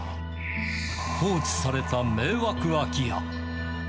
放置された迷惑空き家。